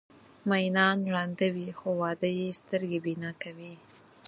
مینان ړانده وي خو واده یې سترګې بینا کوي.